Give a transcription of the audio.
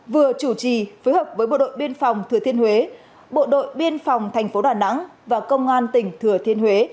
vừa chủ trì phối hợp với bộ đội biên phòng thừa thiên huế bộ đội biên phòng thành phố đà nẵng và công an tỉnh thừa thiên huế